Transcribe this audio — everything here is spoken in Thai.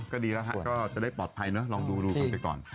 ก็ดีแล้วฮะก็จะได้ปลอดภัยเนอะลองดูกันไปก่อน